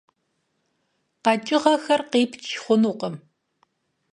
КъэкӀыгъэхэр къипч хъунукъым.